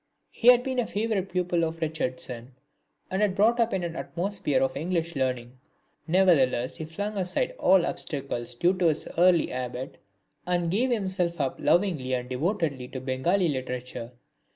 He had been a favourite pupil of Richardson and brought up in an atmosphere of English learning, nevertheless he flung aside all obstacles due to his early habit and gave himself up lovingly and devotedly to Bengali literature.